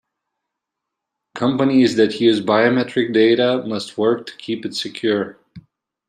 Companies that use biometric data must work to keep it secure.